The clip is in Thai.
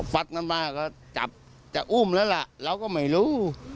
กันมาก็จับจะอุ้มแล้วล่ะเราก็ไม่รู้